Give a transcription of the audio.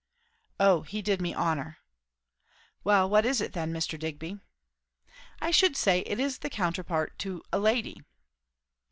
"O he did me honour." "Well, what is it then, Mr. Digby." "I should say, it is the counterpart to a 'lady.'"